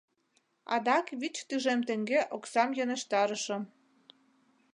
Адак вич тӱжем теҥге оксам йӧнештарышым.